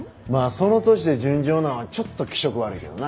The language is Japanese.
その年で純情なのはちょっと気色悪いけどな。